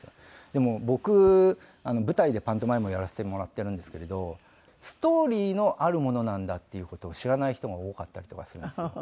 でも僕舞台でパントマイムをやらせてもらってるんですけれどストーリーのあるものなんだっていう事を知らない人が多かったりとかするんです。